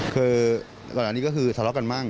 คือกว่าหน้านี้ก็คือสะเลาะกันบ้าง